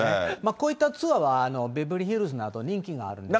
こういったツアーはビバリーヒルズなど、人気があるんですが。